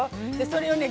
それをね